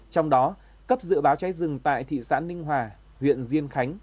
trong đó cấp dự báo cháy rừng tại thị xã ninh hòa huyện diên khánh